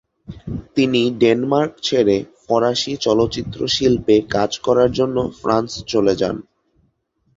তিনি ডেনমার্ক ছেড়ে ফরাসি চলচ্চিত্র শিল্পে কাজ করার জন্য ফ্রান্স চলে যান।